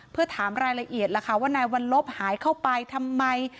เพื่อถามรายละเอียดล่ะค่ะว่านายวัลลบหายเข้าไปทำไม